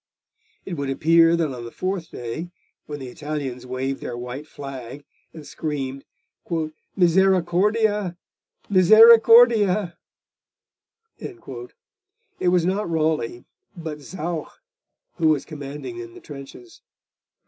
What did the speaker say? It would appear that on the fourth day, when the Italians waved their white flag and screamed 'Misericordia! misericordia!' it was not Raleigh, but Zouch, who was commanding in the trenches.